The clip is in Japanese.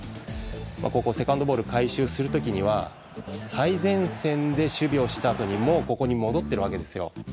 セカンドボールを回収する時には最前線で守備をしたあとにもう、ここに戻ってるわけですよ。